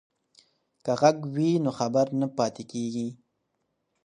که غږ وي نو خبر نه پاتیږي.